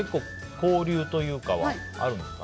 交流というかはあるんですか？